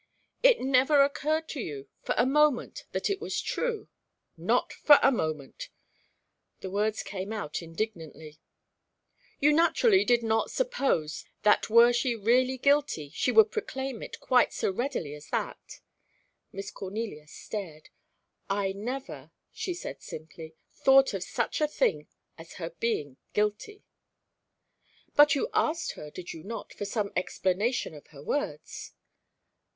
"It never occurred to you for a moment that it was true?" "Not for a moment." The words came out indignantly. "You naturally did not suppose that were she really guilty, she would proclaim it quite so readily as that?" Miss Cornelia stared. "I never," she said, simply, "thought of such a thing as her being guilty." "But you asked her, did you not, for some explanation of her words?"